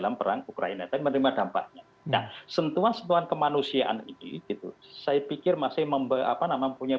menerima dampaknya sentuhan sentuhan kemanusiaan itu saya pikir masih membeli apa namanya punya